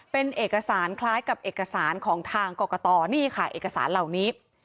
เป็นเอกสารคล้ายกับเอกสารของทางกรกตนี่ค่ะเอกสารเหล่านี้